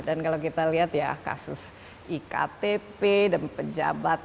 dan kalau kita lihat ya kasus iktp dan pejabat